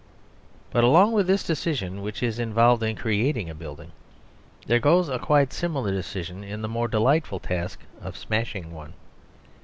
But along with this decision which is involved in creating a building, there goes a quite similar decision in the more delightful task of smashing one.